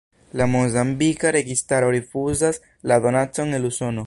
La mozambika registaro rifuzas la donacon el Usono.